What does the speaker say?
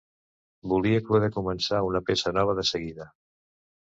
Volia poder començar una peça nova de seguida.